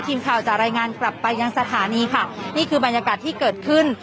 ทีมข่าวจะรายงานกลับไปยังสถานีค่ะนี่คือบรรยากาศที่เกิดขึ้น